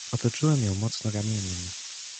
"Otoczyłem ją mocno ramieniem."